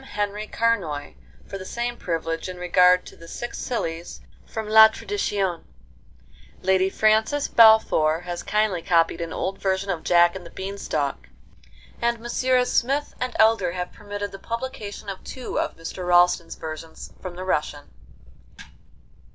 Henri Carnoy for the same privilege in regard to 'The Six Sillies' from La Tradition. Lady Frances Balfour has kindly copied an old version of 'Jack and the Beanstalk,' and Messrs. Smith and Elder have permitted the publication of two of Mr. Ralston's versions from the Russian.